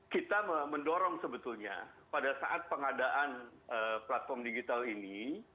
kita mendorong sebetulnya pada saat pengadaan platform digital ini